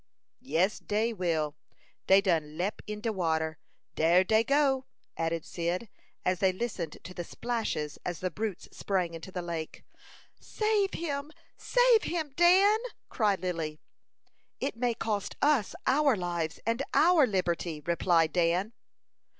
"Yes, dey will. Dey done leap in de water. Dar dey go!" added Cyd, as they listened to the splashes as the brutes sprang into the lake. "Save him! Save him, Dan!" cried Lily. "It may cost us our lives and our liberty," replied Dan.